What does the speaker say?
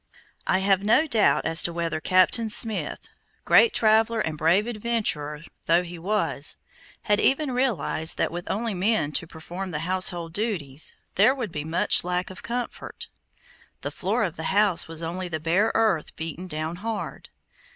I am in doubt as to whether Captain Smith, great traveler and brave adventurer though he was, had even realized that with only men to perform the household duties, there would be much lack of comfort. The floor of the house was only the bare earth beaten down hard.